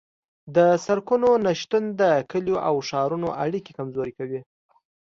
د سرکونو نشتون د کلیو او ښارونو اړیکې کمزورې کوي